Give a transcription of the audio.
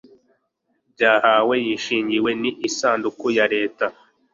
byahawe yishingiwe n isanduku ya Leta